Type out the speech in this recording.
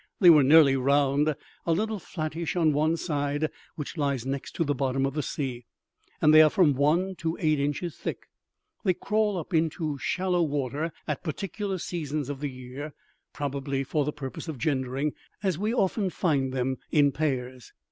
They were nearly round, a little flattish on one side, which lies next to the bottom of the sea; and they are from one to eight inches thick. They crawl up into shallow water at particular seasons of the year, probably for the purpose of gendering, as we often find them in pairs.